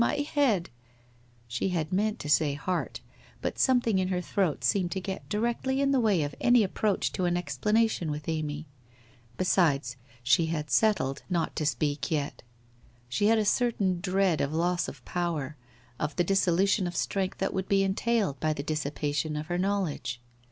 My head ' She had meant to say heart, but something in her throat seemed to get directly in the way of any approach to an explanation with Amy. Besides she had settled not to 176 WHITE ROSE OF WEARY LEAF speak yet. She had a certain dread of loss of power, of the dissolution of strength that would be entailed by the dissipation of her knowledge.